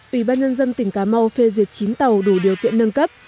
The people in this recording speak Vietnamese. ủy ban nhân dân tỉnh cà mau phê duyệt chín tàu đủ điều kiện nâng cấp